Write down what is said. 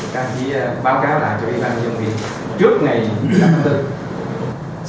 các khí báo cáo lại cho ubnd dân viên trước ngày tám tháng bốn